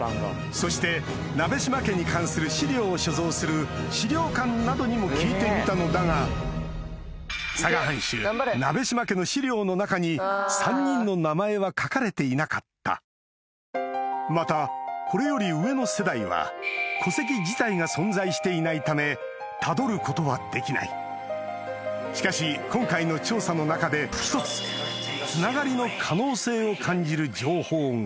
そして鍋島家に関する資料を所蔵する資料館などにも聞いてみたのだが佐賀藩主鍋島家の資料の中に３人の名前は書かれていなかったまたこれより上の世代は戸籍自体が存在していないためたどることはできないしかし今回の調査の中で１つつながりの可能性を感じる情報が